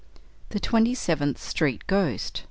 THE TWENTY SEVENTH STREET GHOST.